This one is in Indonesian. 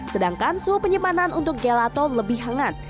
sedangkan suhu penyemanan untuk gelato lebih hangat